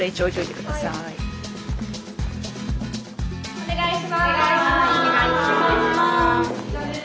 お願いします。